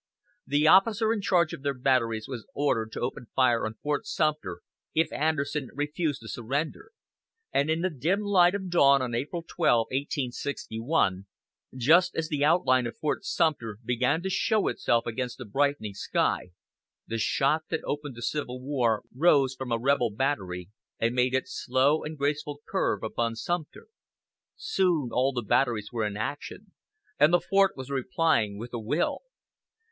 The officer in charge of their batteries was ordered to open fire on Fort Sumter if Anderson refused to surrender; and in the dim light of dawn on April 12, 1861, just as the outline of Fort Sumter began to show itself against a brightening sky, the shot that opened the Civil War rose from a rebel battery and made its slow and graceful curve upon Sumter. Soon all the batteries were in action, and the fort was replying with a will.